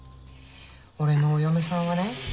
俺のお嫁さんはね